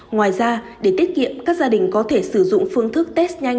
ngoài ra để tiết kiệm các gia đình có thể sử dụng phương thức test nhanh